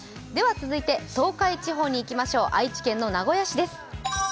続いて、東海地方にいきましょう愛知県の名古屋市です。